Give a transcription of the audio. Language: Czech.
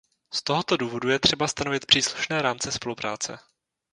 Z tohoto důvodu je třeba stanovit příslušné rámce spolupráce.